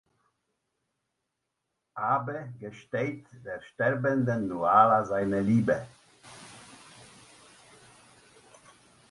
Abe gesteht der sterbenden Nuala seine Liebe.